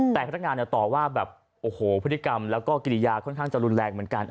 แต่พนักงานต่อว่าแบบโอ้โหพฤติกรรมแล้วก็กิริยาค่อนข้างจะรุนแรงเหมือนกัน